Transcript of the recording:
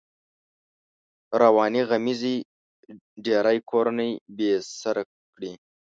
روانې غمېزې ډېری کورنۍ بې سره کړې.